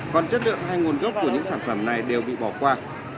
còn chất lượng hay nguồn gốc của những sản phẩm này đều bị bỏ qua